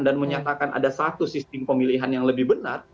dan menyatakan ada satu sistem pemilihan yang lebih benar